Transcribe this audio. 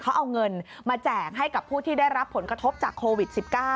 เขาเอาเงินมาแจกให้กับผู้ที่ได้รับผลกระทบจากโควิด๑๙